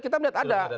kita lihat ada